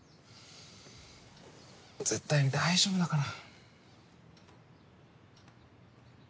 絶対に大丈夫だから。